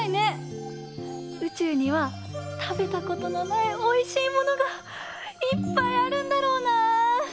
うちゅうにはたべたことのないおいしいものがいっぱいあるんだろうな！